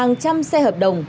hàng trăm xe hợp đồng